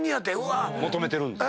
求めてるんですか？